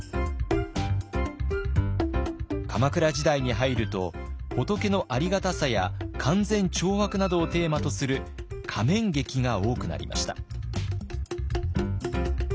鎌倉時代に入ると仏のありがたさや勧善懲悪などをテーマとする仮面劇が多くなりました。